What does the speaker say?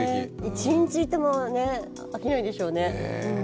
一日いても飽きないでしょうね。